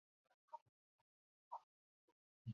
其后大厦改建为仓库及办公室。